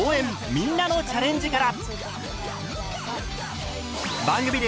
みんなのチャレンジ」から！